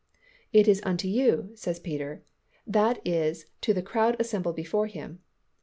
"It is unto you," says Peter, that is to the crowd assembled before him.